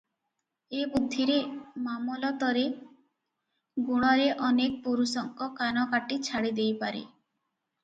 ଏ ବୁଦ୍ଧିରେ, ମାମଲତରେ ଗୁଣରେ ଅନେକ ପୁରୁଷଙ୍କ କାନ କାଟି ଛାଡ଼ିଦେଇପାରେ ।